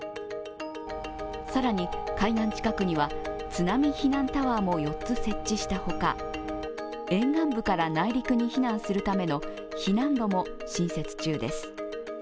更に、海岸近くには津波避難タワーも４つ設置した他、沿岸部から内陸に避難するための避難路も新設中です。